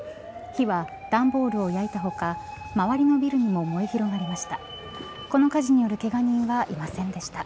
火は段ボールを焼いたほか周りのビルにも燃え広がりました。